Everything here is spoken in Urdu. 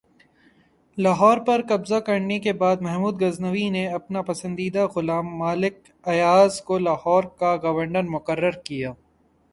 لاہور پر قبضہ کرنے کے بعد محمود غزنوی نے اپنے پسندیدہ غلام ملک ایاز کو لاہور کا گورنر مقرر کیا